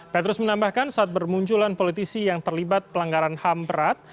petrus menambahkan saat bermunculan politisi yang terlibat pelanggaran ham berat